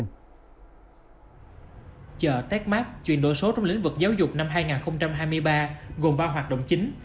chợ techmark chuyển đổi số trong lĩnh vực giáo dục năm hai nghìn hai mươi ba gồm ba hoạt động chính